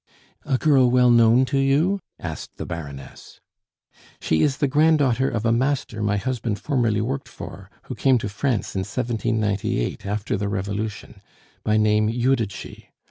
"A girl well known to you?" asked the Baroness. "She is the granddaughter of a master my husband formerly worked for, who came to France in 1798, after the Revolution, by name Judici.